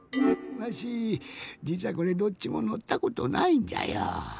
わしじつはこれどっちものったことないんじゃよ。